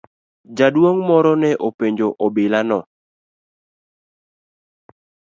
Jaduong' moro nopenjo obila no.